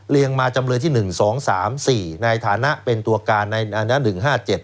เรียงมาจำเลือดที่๑๒๓๔ในฐานะเป็นตัวการในอาณะ๑๕๗